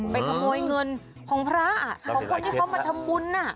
ไปขโมยเงินของพระของคนที่เขามาทำบุญ